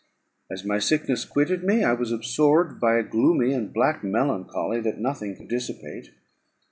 As my sickness quitted me, I was absorbed by a gloomy and black melancholy, that nothing could dissipate.